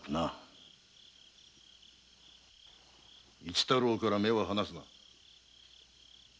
市太郎から目を離すな！